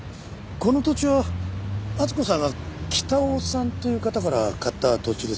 この土地は温子さんが北尾さんという方から買った土地ですよね？